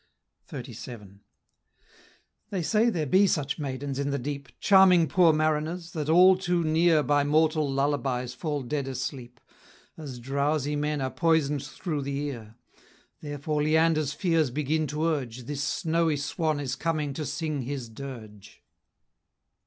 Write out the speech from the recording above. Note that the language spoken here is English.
XXXVII. They say there be such maidens in the deep, Charming poor mariners, that all too near By mortal lullabies fall dead asleep, As drowsy men are poison'd through the ear; Therefore Leander's fears begin to urge, This snowy swan is come to sing his dirge.